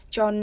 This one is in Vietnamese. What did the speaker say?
cho nền tảng